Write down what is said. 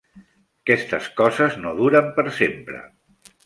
Aquestes coses no duren per sempre.